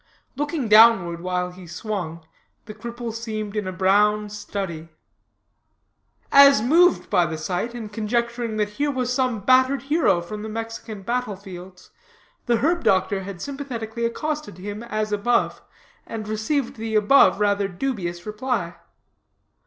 Looking downward while he swung, the cripple seemed in a brown study. As moved by the sight, and conjecturing that here was some battered hero from the Mexican battle fields, the herb doctor had sympathetically accosted him as above, and received the above rather dubious reply.